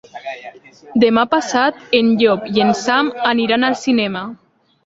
Demà passat en Llop i en Sam aniran al cinema.